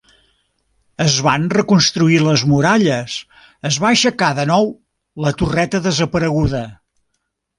Es van reconstruir les muralles, es va aixecar de nou la torreta desapareguda.